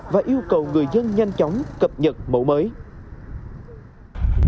và yêu cầu người dân nhanh chóng cập nhật mẫu mới